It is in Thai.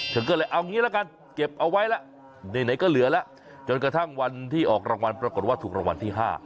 เธอก็เลยเอางี้ละกันเก็บเอาไว้แล้วไหนก็เหลือแล้วจนกระทั่งวันที่ออกรางวัลปรากฏว่าถูกรางวัลที่๕